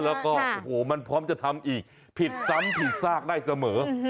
แล้วก็โอ้โหมันพร้อมจะทำอีกผิดซ้ำผิดซากได้เสมอ